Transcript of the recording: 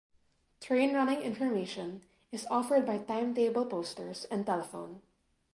Train running information is offered by timetable posters and telephone.